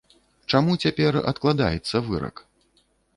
Чаму цяпер адкладаецца вырак?